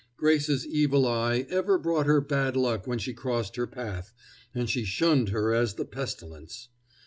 Grace's evil eye ever brought her bad luck when she crossed her path, and she shunned her as the pestilence.